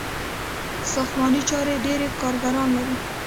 ساختماني چارې ډیر کارګران لري.